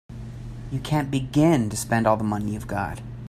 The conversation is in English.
You can't begin to spend all the money you've got.